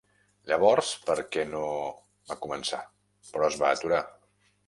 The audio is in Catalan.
"Llavors, per què no...?", va començar, però es va aturar.